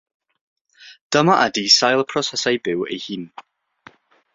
Dyma ydy sail prosesau bywyd ei hun.